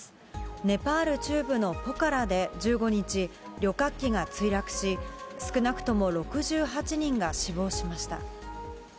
ネパール中部のポカラで１５日、旅客機が墜落し、少なくとも６８人が死亡しました。